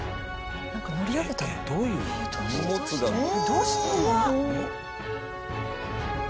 どうして？